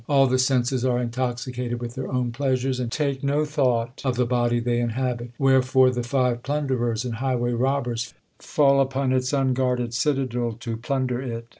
All the senses are intoxicated with their own pleasures, And take no thought of the body they inhabit ; Wherefore the five plunderers and highway robbers Fall upon its unguarded citadel to plunder it.